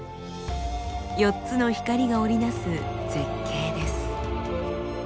４つの光が織り成す絶景です。